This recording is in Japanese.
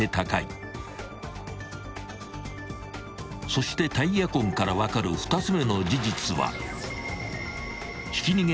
［そしてタイヤ痕から分かる２つ目の事実は］